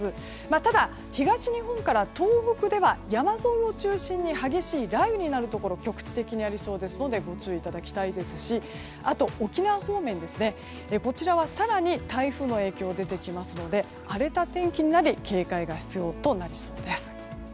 ただ、東日本から東北では山沿いを中心に激しい雷雨になるところが局地的にありそうですのでご注意いただきたいですし沖縄方面は更に台風の影響が出てきますので荒れた天気になり警戒が必要となりそうです。